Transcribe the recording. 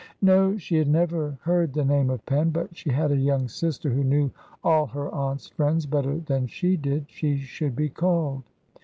No; she had never heard the name of Penn. But she had a young sister who knew all her aunt's friends better than she did. She should be called.